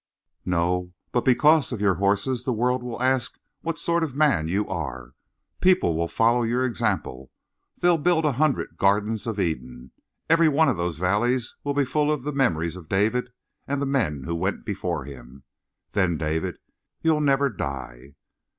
"No, but because of your horses the world will ask what sort of a man you are. People will follow your example. They'll build a hundred Gardens of Eden. Every one of those valleys will be full of the memories of David and the men who went before him. Then, David, you'll never die!"